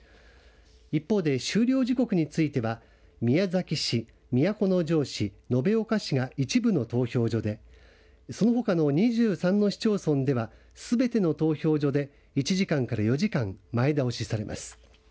一方で、終了時刻については宮崎市、都城市延岡市が一部の投票所でそのほかの２３の市町村ではすべての投票所で１時間から４時間前倒しされます。